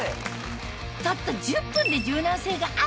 たった１０分で柔軟性がアップ